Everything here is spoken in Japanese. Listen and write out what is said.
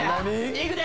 いくで！